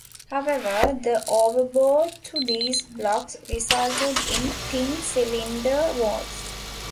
However, the overbore to these blocks resulted in thin cylinder walls.